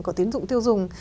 của tín dụng tiêu dùng